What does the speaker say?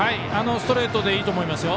ストレートでいいと思います。